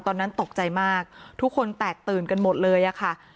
ตอนนั้นตกใจมากทุกคนแตกตื่นกันหมดเลยอะค่ะ